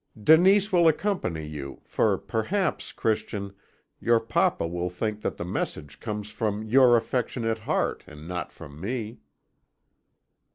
Denise will accompany you, for perhaps, Christian, your papa will think that the message comes from your affectionate heart, and not from me.'